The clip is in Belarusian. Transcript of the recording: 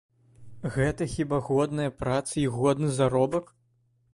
Гэта хіба годная праца і годны заробак?